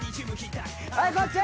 はいこっち！